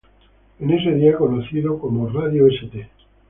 En ese día, conocido como ""Radio St.